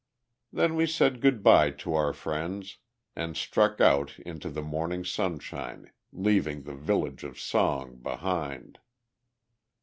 Then we said good bye to our friends, and struck out into the morning sunshine, leaving the village of song behind.